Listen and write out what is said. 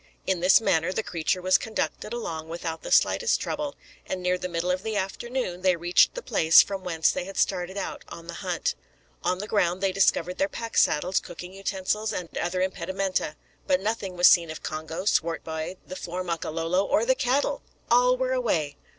In this manner the creature was conducted along without the slightest trouble; and near the middle of the afternoon, they reached the place from whence they had started out on the hunt. On the ground they discovered their pack saddles, cooking utensils, and other impedimenta, but nothing was seen of Congo, Swartboy, the four Makololo, or the cattle! All were away!